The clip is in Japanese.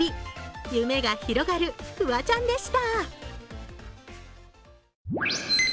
夢が広がるフワちゃんでした。